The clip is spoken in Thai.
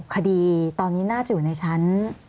คดีตอนนี้น่าจะอยู่ในชั้น